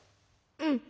うん。